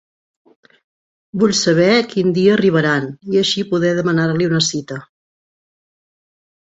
Vull saber quin dia arribaran, i així poder demar-li una cita.